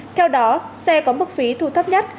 theo đó xe có mức phí thu thấp nhất